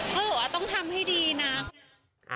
เขาบอกว่าต้องทำให้ดีนะ